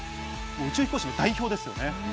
宇宙飛行士の代表です。